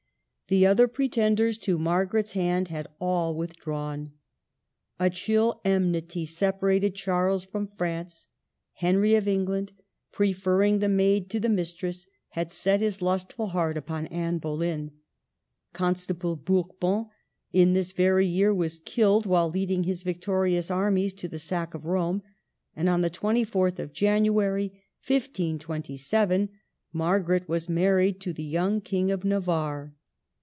The other pretenders to Margaret's hand had all withdrawn. A chill enmity separated Charles from France ; Henry of England, preferring the maid to the mistress, had set his lustful heart upon Anne Boleyn ; Constable Bourbon, in this very year, was killed while leading his victorious armies on to the sack of Rome ; and on the 24th of January, 1527, Margaret was married to the young King of Navarre.